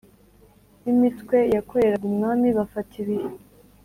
B imitwe yakoreraga umwami bafata ibihe